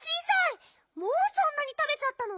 もうそんなにたべちゃったの？